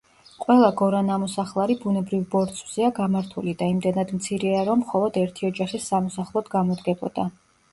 ყველა გორანამოსახლარი ბუნებრივ ბორცვზეა გამართული და იმდენად მცირეა, რომ მხოლოდ ერთი ოჯახის სამოსახლოდ გამოდგებოდა.